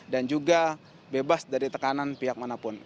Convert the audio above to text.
dan juga bebas dari tekanan pihak manapun